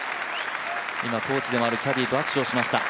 今コーチでもあるキャディーと握手をしました。